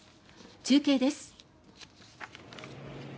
中継です。